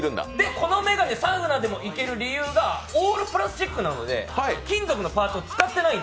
このメガネ、サウナでもいける理由がオールプラスチックなので、金属のパーツを使ってない。